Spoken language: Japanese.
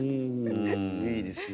いいですね